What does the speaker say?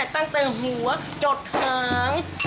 แต่หัวจดหาง